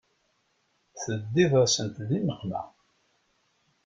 Teddiḍ-asent di nneqma.